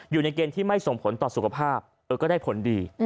อยู่ในเกณฑ์ที่ไม่ส่งผลต่อสุขภาพก็ได้ผลดี